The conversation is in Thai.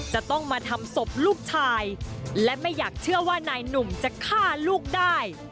จะต้องมาทำศพลูกชายและไม่อยากเชื่อว่านายหนุ่มจะฆ่าลูกได้